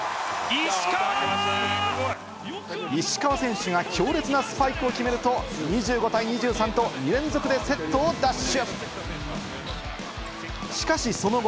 石川選手が強烈なスパイクを決めると、２５対２３と、２連続でセットを奪取。